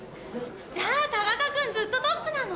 じゃあ田中君ずっとトップなの？